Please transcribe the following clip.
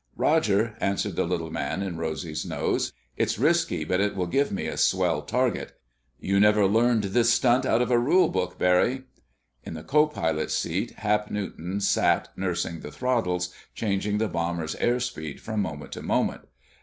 "Roger!" answered the little man in Rosy's nose. "It's risky but it will give me a swell target. You never learned this stunt out of a rule book, Barry!" In the co pilot's seat, Hap Newton sat nursing the throttles, changing the bomber's air speed from moment to moment.